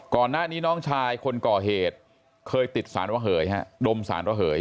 ก่อนหน้านี้น้องชายคนก่อเหตุเคยติดสารระเหยฮะดมสารระเหย